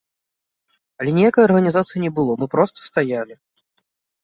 Але ніякай арганізацыі не было, мы проста стаялі.